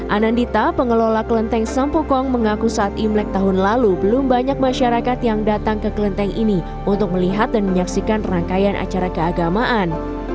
anandita pengelola kelenteng sampokong mengaku saat imlek tahun lalu belum banyak masyarakat yang datang ke kelenteng ini untuk melihat dan menyaksikan rangkaian acara keagamaan